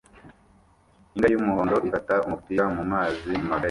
Imbwa y'umuhondo ifata umupira mumazi magari